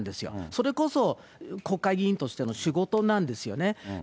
それこそ国会議員としての仕事なんですよね。